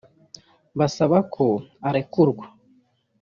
basaba ko arekurwa